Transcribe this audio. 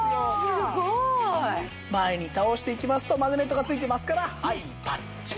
すごい！前に倒していきますとマグネットが付いてますからはいパッチン！